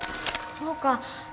そうか。